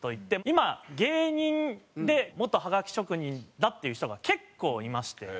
今芸人で元ハガキ職人だっていう人が結構いまして。